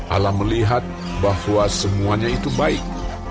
alam melihat bahwa semuanya itu baik